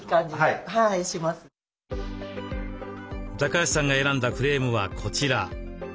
橋さんが選んだフレームはこちら。